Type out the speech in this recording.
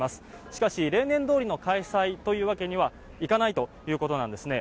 しかし、例年どおりの開催というわけにはいかないということなんですね。